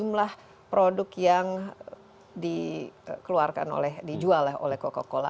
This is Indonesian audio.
jumlah produk yang dikeluarkan oleh dijual oleh coca cola